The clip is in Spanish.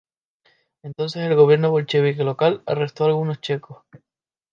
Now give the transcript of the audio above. Entonces, el gobierno bolchevique local arrestó a algunos checos.